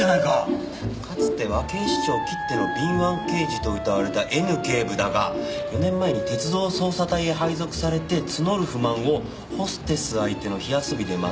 「かつては警視庁切っての敏腕刑事と謳われたＮ警部だが四年前に鉄道捜査隊へ配属されて募る不満をホステス相手の火遊びで紛らわせていた」